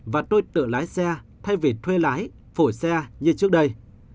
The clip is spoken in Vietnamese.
và tôi tự lái xe thay vì thuê lái phổ xe như trước đây